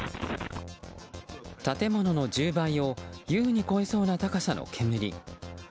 建物の１０倍を優に超えそうな高さの煙。